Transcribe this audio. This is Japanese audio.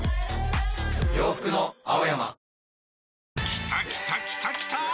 きたきたきたきたー！